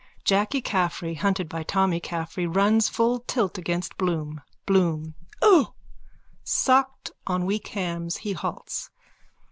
(Jacky Caffrey, hunted by Tommy Caffrey, runs full tilt against Bloom.) BLOOM: O. _(Shocked, on weak hams, he halts.